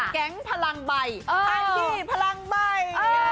แก๊งพลังใบเฮ้อไฮดี้พลังใบ